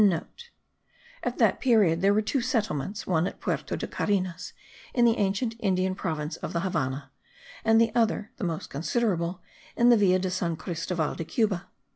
(* At that period there were two settlements, one at Puerto de Carenas in the ancient Indian province of the Havannah, and the other the most considerable in the Villa de San Cristoval de Cuba.